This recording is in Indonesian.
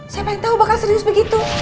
siapa yang tahu bakal serius begitu